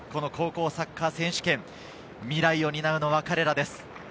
高校サッカー選手権、未来を担うのは彼らです。